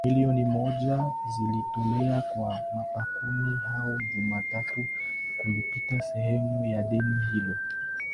milioni moja zilitolewa kwa makampuni hayo Jumatatu kulipa sehemu ya deni hilo